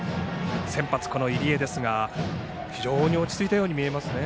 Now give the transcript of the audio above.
先発、この入江ですが非常に落ち着いて見えますね。